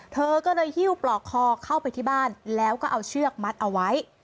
เธอก็เลยหิ้วปลอกคอเข้าไปที่บ้านแล้วก็เอาเชือกมัดเอาไว้